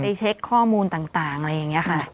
เช็คข้อมูลต่างอะไรอย่างนี้ค่ะ